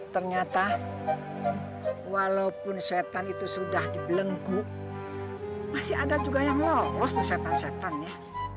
ternyata walaupun setan itu sudah dibelenggu masih ada juga yang lolos di setan setan ya